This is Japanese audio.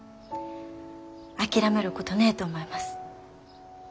諦めることねえと思います。